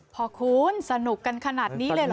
ขอบคุณสนุกกันขนาดนี้เลยเหรอ